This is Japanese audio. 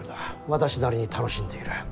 私なりに楽しんでいる。